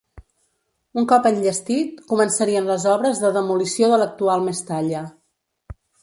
Un cop enllestit, començarien les obres de demolició de l'actual Mestalla.